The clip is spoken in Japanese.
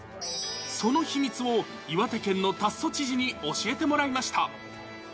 その秘密を、岩手県の達増知事に教えてもらいました。